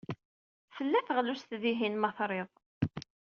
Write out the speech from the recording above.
Tella teɣlust dihin, ma trid.